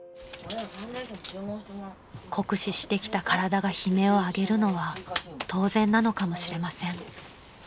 ［酷使してきた体が悲鳴を上げるのは当然なのかもしれません］